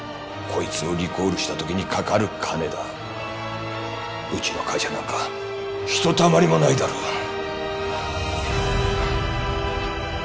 こいつをリコールしたときにかかる金だうちの会社なんかひとたまりもないだろう